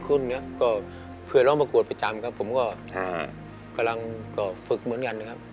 เคยภังครับก็คุ้นเพื่อนรองประกวดประจำกับผมการังก็ฟึกเหมือนกันนี่ครับ